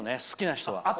好きな人は。